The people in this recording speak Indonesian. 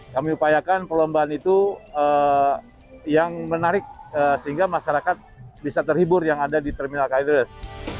kami upayakan perlombaan itu yang menarik sehingga masyarakat bisa terhibur yang ada di terminal kalideres